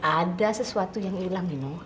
ada sesuatu yang hilang you know